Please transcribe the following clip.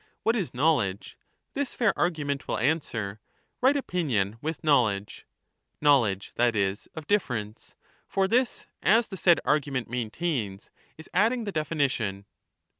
What is know ledge ? this fair argument will answer ' Right opinion with knowledge,' — knowledge, that is, of difference, for this, as the said argument maintains, is adding the definition.